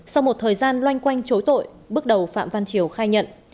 sau một thời gian loanh quanh chối tội bước đầu phạm văn triều khai nhận